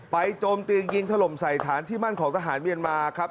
โจมตีนยิงถล่มใส่ฐานที่มั่นของทหารเมียนมาครับ